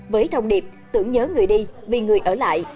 với thông điệp tưởng nhớ người đi vì người ở lại